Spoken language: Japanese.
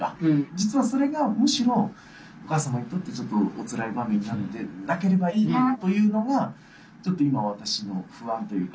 実はそれがむしろお母様にとってちょっとおつらい場面になってなければいいなというのがちょっと今私の不安というか。